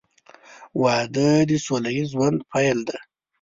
• واده د سوله ییز ژوند پیل دی.